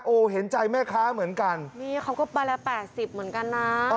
โอ้โหเห็นใจแม่ค้าเหมือนกันนี่เขาก็ไปละแปดสิบเหมือนกันนะ